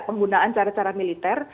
penggunaan cara cara militer